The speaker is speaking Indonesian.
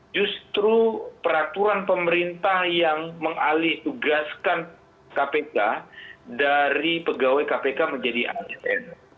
justru peraturan pemerintah yang mengalih tugaskan kpk dari pegawai kpk menjadi asn